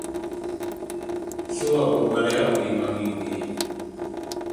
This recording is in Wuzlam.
Slu agwagwazlay a ghuyo i maŋ yo age.